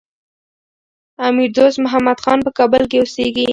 امیر دوست محمد خان په کابل کي اوسېږي.